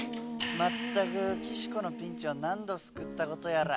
全く岸子のピンチを何度救ったことやら。